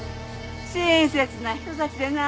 親切な人たちでなあ